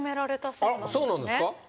そうなんですか？